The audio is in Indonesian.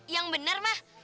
yang benar mas